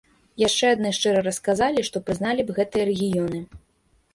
Яшчэ адны шчыра расказалі, што прызналі б гэтыя рэгіёны.